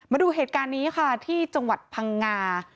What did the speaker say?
มาดูเหตุการณ์นี้ค่ะที่จังหวัดพังงา